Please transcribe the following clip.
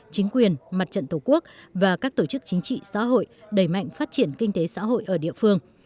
chính quyền mặt trận tổ quốc và các tổ chức chính trị xã hội đẩy mạnh phát triển kinh tế xã hội ở địa phương